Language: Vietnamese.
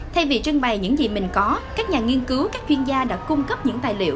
thay vì trưng bày những gì mình có các nhà nghiên cứu các chuyên gia đã cung cấp những tài liệu